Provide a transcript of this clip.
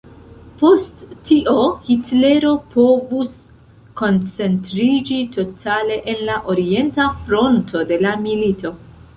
Post tio, Hitlero povus koncentriĝi totale en la Orienta Fronto de la milito.